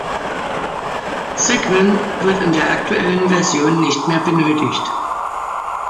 Cygwin wird in der aktuellen Version nicht mehr benötigt.